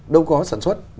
đâu có sản xuất